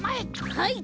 はい！